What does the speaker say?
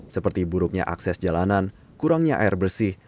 seperti buruknya akses jalanan kurangnya air bersih